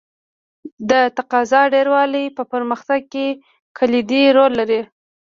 د تقاضا ډېروالی په پرمختګ کې کلیدي رول لري.